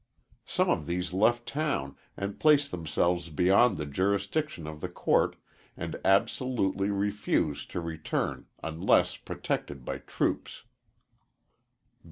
Some of these left town and placed themselves beyond the jurisdiction of the court, and absolutely refused to return unless protected by troops.